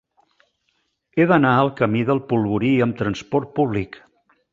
He d'anar al camí del Polvorí amb trasport públic.